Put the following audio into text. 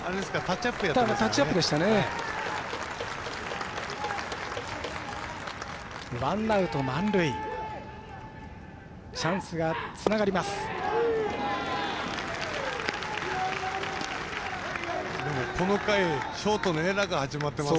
チャンスがつながります。